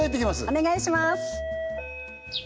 お願いします